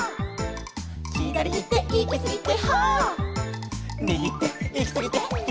「ひだりいっていきすぎて」